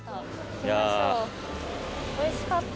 おいしかった。